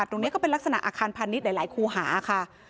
ตรงนี้ก็เป็นลักษณะอาคารพาณิชย์หลายคูหาค่ะ